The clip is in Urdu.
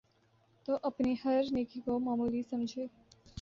تو اپنی ہر نیکی کو معمولی سمجھے